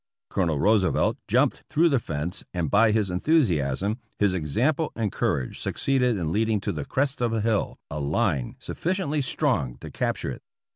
Colonel Roosevelt jumped through the fence and by his enthusiasm, his example and courage succeeded in leading to the crest of the hill a line sufficiently strong to capture it.